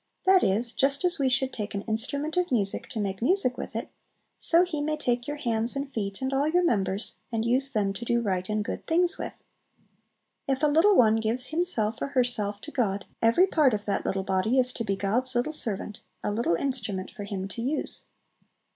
That is, just as we should take an instrument of music, to make music with it, so He may take your hands and feet and all your members, and use them to do right and good things with. If a little one gives himself or herself to God, every part of that little body is to be God's little servant, a little instrument for Him to use.